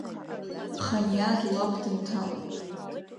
Ханиа адулаԥ дынҭалоит.